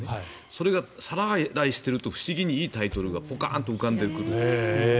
それが皿洗いをしていると不思議にいいタイトルがポカンと浮かんでくる。